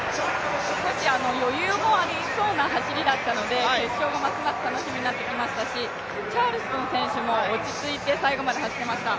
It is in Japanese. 少し余裕もありそうな走りだったので決勝もますます楽しみになってきましたしチャールストン選手も落ち着いて最後まで走っていました。